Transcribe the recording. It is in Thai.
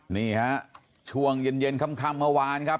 นี่ฮะช่วงเย็นค่ำเมื่อวานครับ